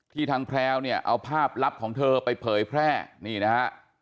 ทางแพลวเนี่ยเอาภาพลับของเธอไปเผยแพร่นี่นะฮะ